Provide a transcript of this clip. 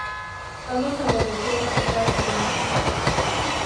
Solo se obedeció en los Estados Pontificios.